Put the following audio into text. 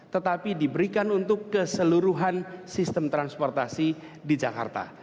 tetapi diberikan untuk keseluruhan sistem transportasi di jakarta